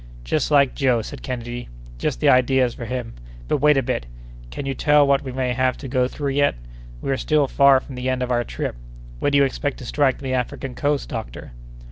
"Just like Joe," said Kennedy; "just the ideas for him: but wait a bit! Can you tell what we may have to go through yet? We are still far from the end of our trip. Where do you expect to strike the African coast, doctor?"